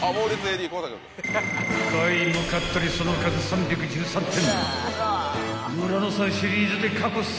［買いも買ったりその数３１３点］